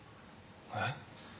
えっ？